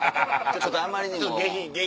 ちょっとあまりにも。